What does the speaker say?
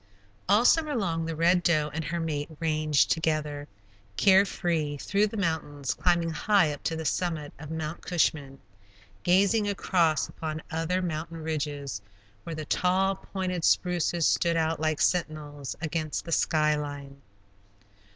All summer long the Red Doe and her mate ranged together, care free, through the mountains, climbing high up to the summit of Mount Cushman, gazing across upon other mountain ridges, where the tall pointed spruces stood out like sentinels against the sky line.